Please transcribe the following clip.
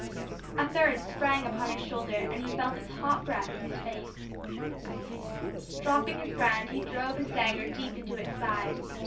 A third sprang upon his shoulder, and he felt its hot breath in his face. Dropping his brand, he drove his dagger deep into its side.